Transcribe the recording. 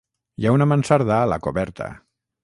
Hi ha una mansarda a la coberta.